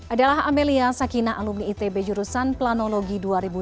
adalah amelia sakina alumni itb jurusan planologi dua ribu dua puluh